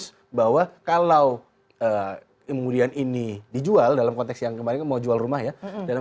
dan itu menstimulus bahwa kalau kemudian ini dijual dalam konteks yang kemarin mau jual rumah ya